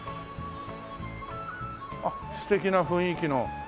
あっ素敵な雰囲気の。